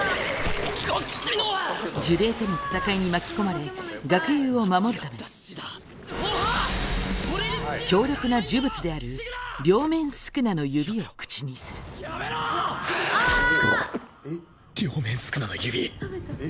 呪霊との戦いに巻き込まれ学友を守るため強力な呪物である両面宿儺の指を口にするやめろ！バーン！